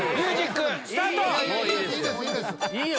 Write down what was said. いいよ